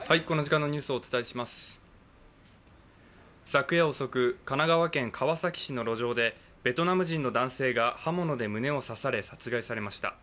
昨夜遅く、神奈川県川崎市の路上でベトナム人の男性が刃物で胸を刺され殺害されました。